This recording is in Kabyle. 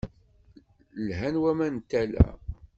Lhan waman n tala.